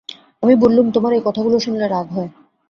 আমি বললুম, তোমার এই কথাগুলো শুনলে রাগ হয়।